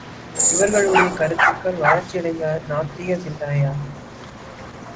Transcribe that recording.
இவர்களுடைய கருத்துக்கள் வளர்ச்சியடைந்த நாத்திக சிந்தனையாகும்.